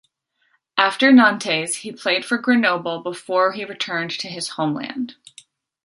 After Nantes, he played for Grenoble, before he returned to his homeland.